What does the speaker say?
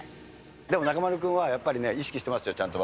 でも中丸君はやっぱりね、意識してますよ、ちゃんと。